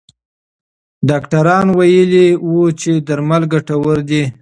ډاکټران ویلي وو چې درمل ګټور دي.